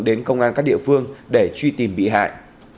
đến công an các địa phương để truy tìm bị hại